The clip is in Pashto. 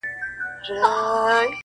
توري شپې لا ګوري په سهار اعتبار مه کوه-